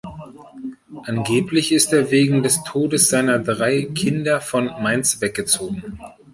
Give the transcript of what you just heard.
Angeblich ist er wegen des Todes seiner drei Kinder von Mainz weggezogen.